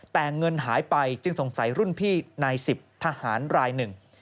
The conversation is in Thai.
แต่เงินหายไปจึงสงสัยรุ่นพี่นายสิบทหารรายหนึ่ง